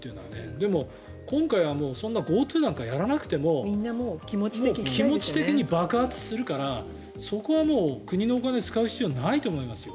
でも今回はＧｏＴｏなんかやらなくても気持ち的に爆発するからそこは国のお金は使う必要ないと思いますよ。